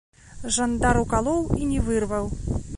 Жандар укалоў і не вырваў.